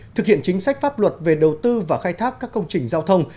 thực hiện chính sách pháp luật về đầu tư và khai thác các công trình giao thông